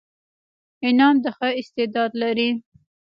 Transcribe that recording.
انعام د ښه استعداد لري.